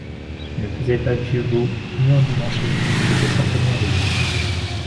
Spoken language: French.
Il ne faisait pas vieux beau, ni endimanché, il était simplement élégant.